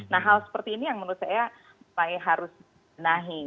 nah hal seperti ini yang menurut saya harus dibenahi